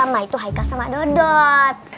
nah itu hai kal sama dodot